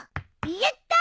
やった！